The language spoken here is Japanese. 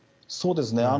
そうですね。